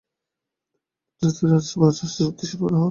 তিনি রাজস্থান ও মহারাষ্ট্রের উদ্দেশ্যে রওনা হন।